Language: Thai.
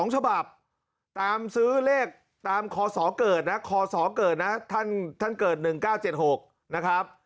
๒ฉบับตามซื้อเลขตามคศเกิดนะคศเกิดนะท่านเกิด๑๙๗๖นะครับ